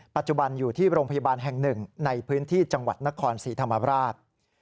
ปัจจุบันอยู่ที่โรงพยาบาลแห่งหนึ่งในพื้นที่จังหวัดนครศรีธรรมราช